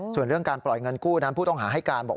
ส่วนเรื่องการปล่อยเงินกู้นั้นผู้ต้องหาให้การบอก